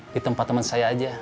di tempat teman saya aja